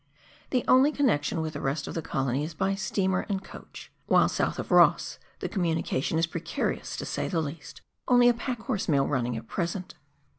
The only connection with the rest of the colony is by steamer and coach, while south of Ross, the communication is precarious to say the least, only a pack horse mail running at present.